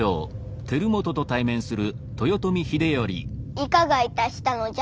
いかがいたしたのじゃ？